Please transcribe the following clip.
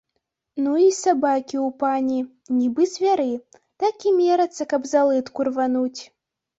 Ну і сабакі ў пані, нібы звяры, так і мерацца, каб за лытку рвануць.